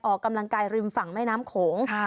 ออกกำลังกายริมฝั่งแม่น้ำโขง